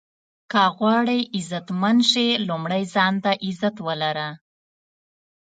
که غواړئ عزتمند شې لومړی ځان ته عزت ولره.